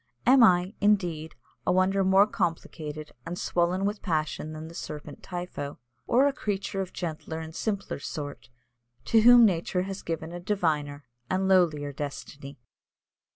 Am I, indeed, a wonder more complicated and swollen with passion than the serpent Typho, or a creature of gentler and simpler sort, to whom nature has given a diviner and lowlier destiny?"